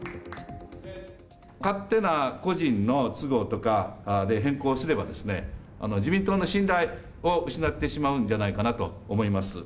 勝手な個人の都合とかで変更すれば、自民党の信頼を失ってしまうんじゃないかなと思います。